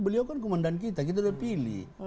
beliau kan komandan kita kita sudah pilih